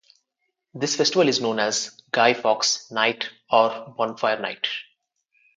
This festival is known as Guy Fawkes Night or Bonfire Night.